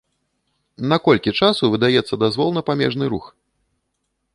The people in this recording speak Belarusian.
На колькі часу выдаецца дазвол на памежны рух?